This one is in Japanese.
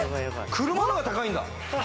車の方が高いんだ。